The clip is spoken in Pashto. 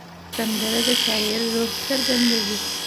سندره د شاعر روح څرګندوي